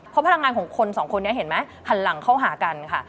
เพราะพลังงานของคนสองคนนี้เห็นไหมหันหลังเข้าหากันค่ะ